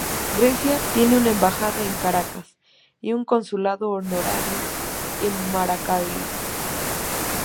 Grecia tiene una embajada en Caracas y un consulado honorario en Maracaibo.